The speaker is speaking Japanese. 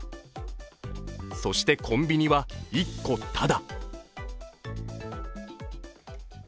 そして、コンビニは１個タダ。